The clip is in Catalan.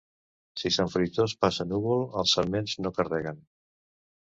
Si Sant Fruitós passa núvol els sarments no carreguen.